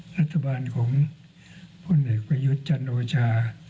รัฐบาลของพ่อเหล็กไปยึดจันทร์โอชา